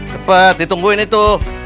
cepet ditungguin itu